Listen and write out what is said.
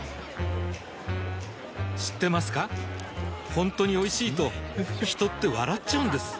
ほんとにおいしいと人って笑っちゃうんです